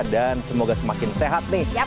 dan semoga semakin sehat nih